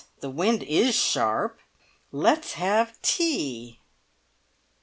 The wind is sharp! Let's have tea!"